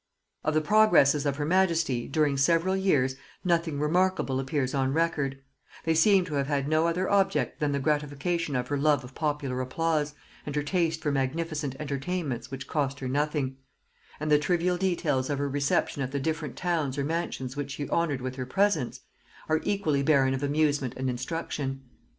Of the progresses of her majesty, during several years, nothing remarkable appears on record; they seem to have had no other object than the gratification of her love of popular applause, and her taste for magnificent entertainments which cost her nothing; and the trivial details of her reception at the different towns or mansions which she honored with her presence, are equally barren of amusement and instruction.